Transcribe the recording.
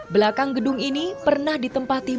belakang gedung ini pernah ditempati